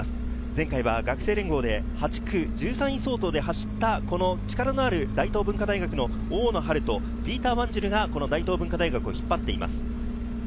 前回は学生連合で８区１３位相当で走った、力のある大東文化大学の大野陽人、ピーター・ワンジルが大東文化大学を引っ張っています。